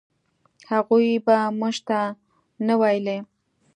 هغوی به موږ ته نه ویلې.